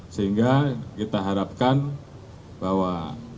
sehingga kita harapkan bahwa